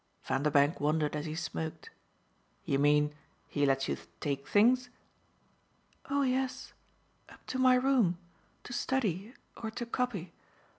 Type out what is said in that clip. Vanderbank wondered as he smoked. "You mean he lets you take things ?" "Oh yes up to my room, to study or to copy.